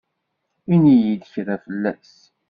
Ini-yi-d kra fell-as.